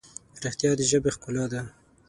رښتیا د ژبې ښکلا ده.